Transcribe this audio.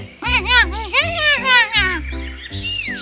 berikan topiku sekarang